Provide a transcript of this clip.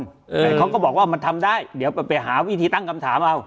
แต่เขาก็บอกว่ามันทำได้เดี๋ยวไปหาวิธีตั้งคำถามเอา